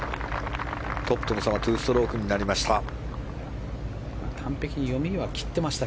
トップとの差は２ストロークになりました。